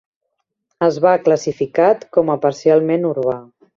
Es va classificat com a parcialment urbà.